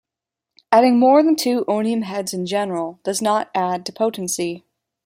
Adding more than two onium heads in general does not add to potency.